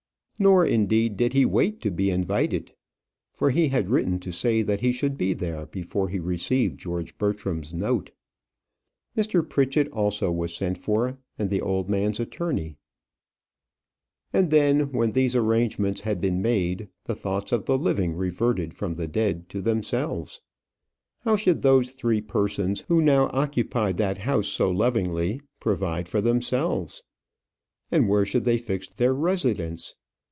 Nor, indeed, did he wait to be invited; for he had written to say that he should be there before he received George Bertram's note. Mr. Pritchett also was sent for, and the old man's attorney. And then, when these arrangements had been made, the thoughts of the living reverted from the dead to themselves. How should those three persons who now occupied that house so lovingly provide for themselves? and where should they fix their residence?